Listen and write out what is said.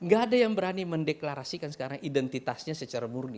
gak ada yang berani mendeklarasikan sekarang identitasnya secara murni